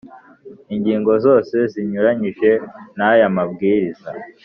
Ingingo zose zinyuranyije n aya mabwiriza